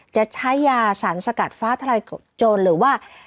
จะใช้ยาสารสกัดฟ้าทลายโจรหรือว่า